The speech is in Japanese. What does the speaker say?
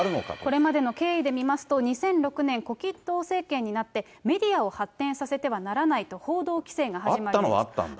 これまでの経緯で見ますと、２００６年、胡錦涛政権になってメディアを発展させてはならないと報道規制があったのはあったんだ。